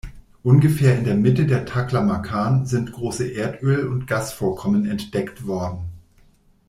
Ungefähr in der Mitte der Taklamakan sind große Erdöl- und Gasvorkommen entdeckt worden.